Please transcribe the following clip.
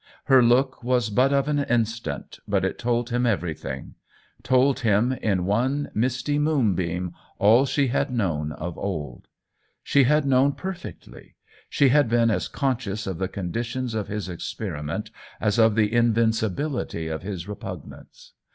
Her look was but of an instant, but it told him everything; told him, in one misty moonbeam, all she had known of old. She had known per fectly — she had been as conscious of the conditions of his experiment as of the in vincibility of his repugnance.